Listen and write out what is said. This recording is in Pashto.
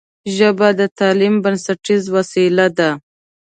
ژبه د تعلیم بنسټیزه وسیله ده